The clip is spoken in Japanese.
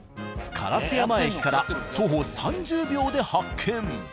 烏山駅から徒歩３０秒で発見。